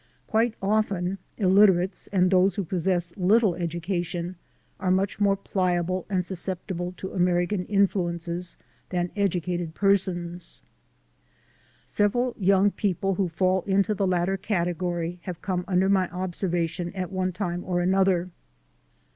Quite often illiterates and those who possess little education are much more pliable and susceptible to American influences than educated persons. Several young people who fall into the lat ter category have come under my observation at one time or another.